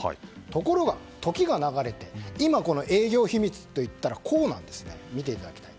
ところが、時が流れて今この営業秘密といったらこうなんですね。